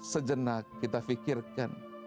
sejenak kita fikirkan